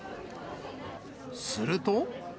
すると。